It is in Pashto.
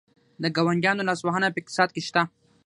د ګاونډیانو لاسوهنه په اقتصاد کې شته؟